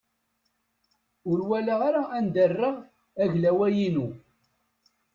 Ur walaɣ ara anda ara rreɣ aglaway-inu.